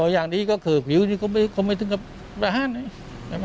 อย่างนี้ก็คือผิวที่เขาไม่ต้องกับราฮะนี่